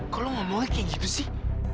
kok lu ngomongnya kayak gitu sih